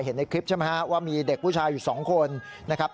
เห็นในคลิปใช่ไหมฮะว่ามีเด็กผู้ชายอยู่สองคนนะครับ